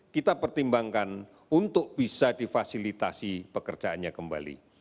kita pertimbangkan untuk bisa difasilitasi pekerjaannya kembali